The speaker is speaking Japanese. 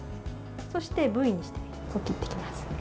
そして、Ｖにして切っていきます。